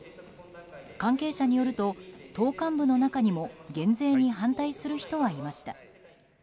関係者によると党幹部の中にも減税に反対する人はいました。